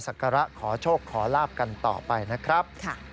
การะขอโชคขอลาบกันต่อไปนะครับ